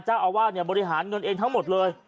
เจ้าอาวาสเนี่ยบริหารเงินเองทั้งหมดเลย